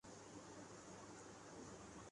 کسی پر مسلط نہیں کیا جاتا۔